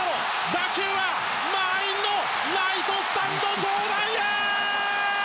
打球は満員のライトスタンド上段へ！